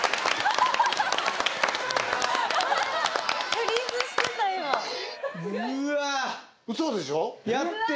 フリーズしてた今ウソでしょ？